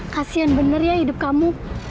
kasian benar ya hidup kamu